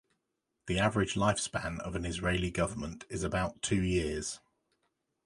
The average life-span of an Israeli government is about two years.